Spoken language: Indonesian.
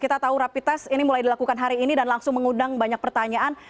kita tahu rapid test ini mulai dilakukan hari ini dan langsung mengundang banyak pertanyaan